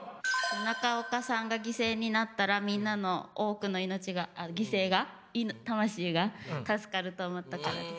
中岡さんが犠牲になったらみんなの多くの命が犠牲が魂が助かると思ったからです。